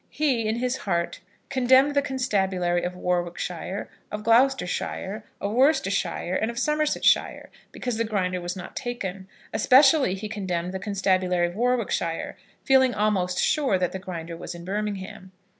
He, in his heart, condemned the constabulary of Warwickshire, of Gloucestershire, of Worcestershire, and of Somersetshire, because the Grinder was not taken. Especially he condemned the constabulary of Warwickshire, feeling almost sure that the Grinder was in Birmingham.